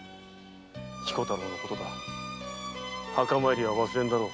彦太郎のことだ墓参りは忘れんだろう。